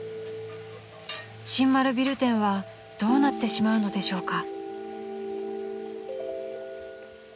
［新丸ビル店はどうなってしまうのでしょうか？］